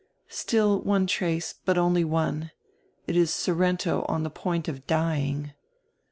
"Still one trace, hut only one. It is Sorrento on die point of dying."